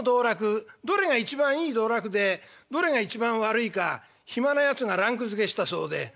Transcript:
どれが一番いい道楽でどれが一番悪いか暇なやつがランクづけしたそうで。